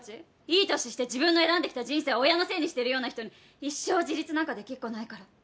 いい年して自分が選んできた人生親のせいにしてるような人に一生自立なんかできっこないから。